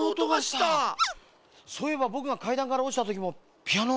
そういえばぼくがかいだんからおちたときもピアノのおとがしたよ。